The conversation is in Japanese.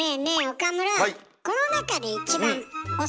岡村。